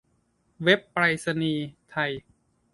เว็บไปรษณีย์ไทย